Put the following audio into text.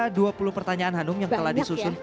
ada dua puluh pertanyaan hanum yang telah disusun